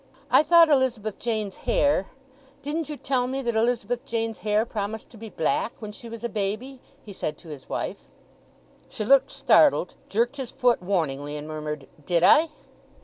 "I thought Elizabeth Jane's hair—didn't you tell me that Elizabeth Jane's hair promised to be black when she was a baby?" he said to his wife. She looked startled, jerked his foot warningly, and murmured, "Did I?"